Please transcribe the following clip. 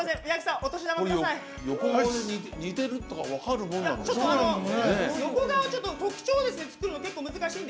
横顔似てるとか分かるものなの？